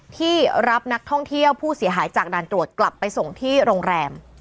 ที่รับนักท่องเที่ยวผู้เสียหายจากด่านตรวจกลับไปส่งที่โรงแรม